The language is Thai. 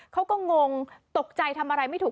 เขาก็งงตกใจทำอะไรไม่ถูก